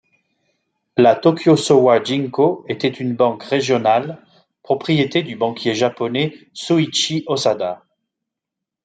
La Tōkyō Sōwa ginkō était une banque régionale, propriété du banquier japonais Shōichi Osada.